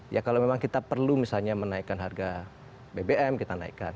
ya kalau memang kita perlu misalnya menaikkan harga bbm kita naikkan